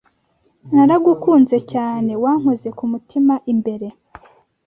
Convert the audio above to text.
naragukunze cyane, wankoze kumutima imbere